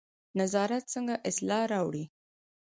نظارت څنګه اصلاح راوړي؟